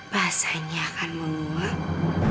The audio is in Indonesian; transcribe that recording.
basahnya akan muak